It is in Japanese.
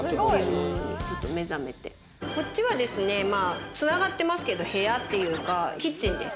こっちはつながってますけど部屋っていうかキッチンです。